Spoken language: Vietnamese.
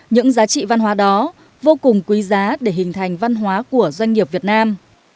những giá trị văn hóa đó vô cùng quý giá để hình thành văn hóa của doanh nghiệp việt nam